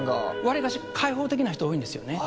割かし開放的な人多いんですよね。